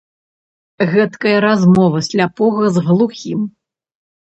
Гэткая размова сляпога з глухім.